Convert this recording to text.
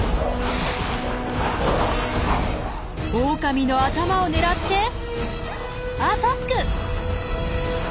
オオカミの頭を狙ってアタック！